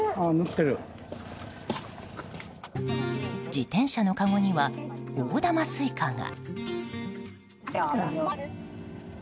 自転車のかごには大玉スイカが。